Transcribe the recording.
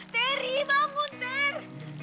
teri bangun ter